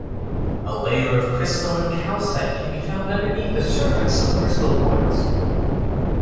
A layer of crystalline calcite can be found underneath the surface of crystal points.